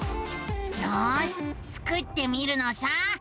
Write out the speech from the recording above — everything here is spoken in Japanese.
よしスクってみるのさ。